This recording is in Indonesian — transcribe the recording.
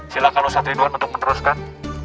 silahkan ustaz ridwan untuk meneruskan